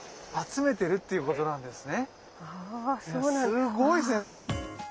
すごいですね。